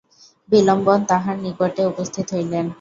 বিল্বন তাঁহার নিকটে উপস্থিত হইলেন।